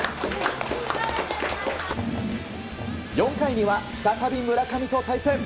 ４回には、再び村上と対戦。